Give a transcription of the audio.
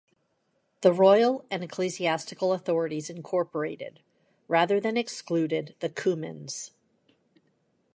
The royal and ecclesiastical authorities incorporated, rather than excluded, the Cumans.